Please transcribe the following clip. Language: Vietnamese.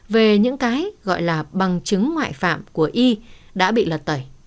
về những cái gọi là bằng chứng ngoại phạm của y đã bị lợi